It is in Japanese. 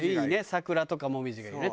桜とか紅葉がいいね